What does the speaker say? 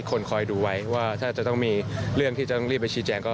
คอยดูไว้ว่าถ้าจะต้องมีเรื่องที่ต้องรีบไปชี้แจงก็